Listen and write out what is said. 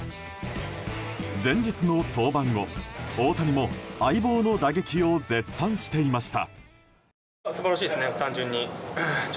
前日の登板後、大谷も相棒の打撃を絶賛していました。